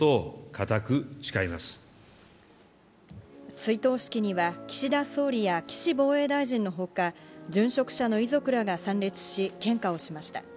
追悼式には岸田総理や岸防衛大臣のほか、殉職者の遺族らが参列し、献花をしました。